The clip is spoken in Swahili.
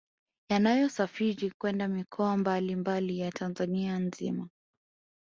Yanayosafiri kwenda mikoa mbali mbali ya Tanzania nzima